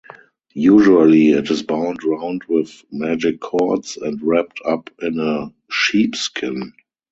Usually it is bound round with magic cords and wrapped up in a sheepskin.